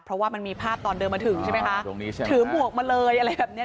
เพราะว่ามันมีภาพตอนเดินมาถึงใช่ไหมคะถือหมวกมาเลยอะไรแบบเนี้ย